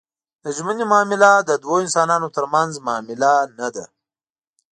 د ژمنې معامله د دوو انسانانو ترمنځ معامله نه ده.